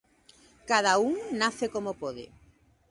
Cada un nace como pode.